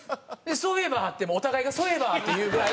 「そういえば」ってもうお互いが「そういえば」って言うぐらいの。